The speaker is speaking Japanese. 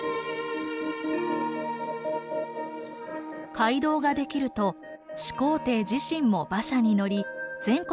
街道が出来ると始皇帝自身も馬車に乗り全国を旅しました。